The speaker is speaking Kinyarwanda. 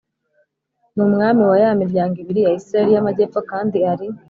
Ni umwami wa ya miryango ibiri ya Isirayeli y amajyepfo Kandi ari